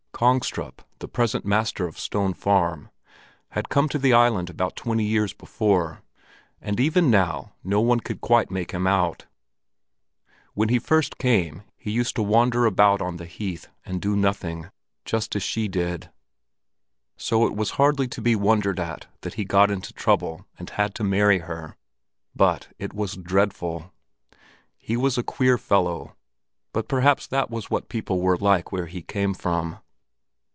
Kongstrup, the present master of Stone Farm, had come to the island about twenty years before, and even now no one could quite make him out. When he first came he used to wander about on the heath and do nothing, just as she did; so it was hardly to be wondered at that he got into trouble and had to marry her. But it was dreadful! He was a queer fellow; but perhaps that was what people were like where he came from?